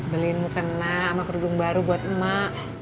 beliin mukena sama kerudung baru buat emak